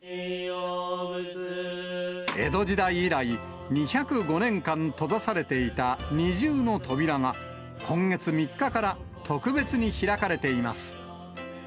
江戸時代以来、２０５年間、閉ざされていた二重の扉が、今月３日から特別に開かれています。